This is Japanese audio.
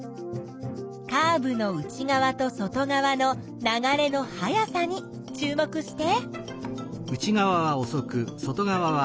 カーブの内側と外側の流れの速さに注目して。